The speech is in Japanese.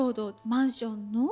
マンションの。